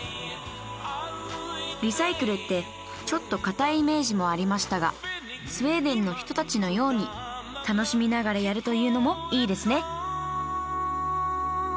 リサイクルってちょっとかたいイメージもありましたがスウェーデンの人たちのように楽しみながらやるというのもいいですね